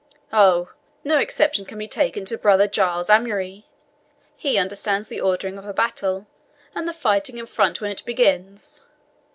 "Oh, no exception can be taken to Brother Giles Amaury; he understands the ordering of a battle, and the fighting in front when it begins.